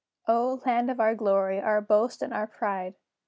O, Land of our glory, our boast, and our pride!